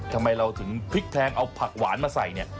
ทำไมเราถึงพลิกแทงเอาผักหวานมาใส่